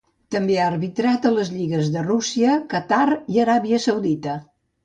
També ha arbitrat a les lligues de Rússia, Qatar i Aràbia Saudita.